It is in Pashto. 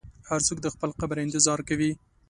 هر څوک د خپل قبر انتظار کوي.